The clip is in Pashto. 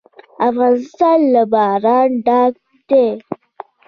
افغانستان له باران ډک دی.